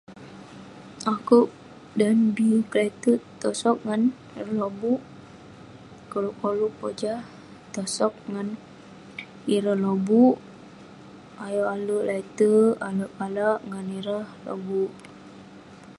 Akouk dan bi tai t- tosog ngan ireh lobuk, koluk koluk pojah. Tosog ngan ireh lobuk, ayuk ale' leterk, ale' kalak ngan ireh lobuk.